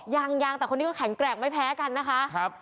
ยังยังแต่คนนี้ก็แข็งแกร่งไม่แพ้กันนะคะ